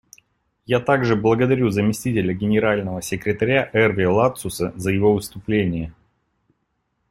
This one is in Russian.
Я также благодарю заместителя Генерального секретаря Эрве Ладсуса за его выступление.